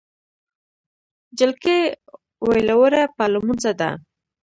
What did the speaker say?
جلکۍ ویلوړه په لمونځه ده